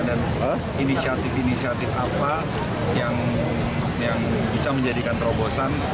dan inisiatif inisiatif apa yang bisa menjadikan terobosan